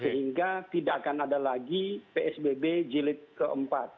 sehingga tidak akan ada lagi psbb jilid keempat